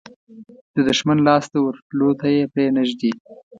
د دښمن لاس ته ورتلو ته یې پرې نه ږدي.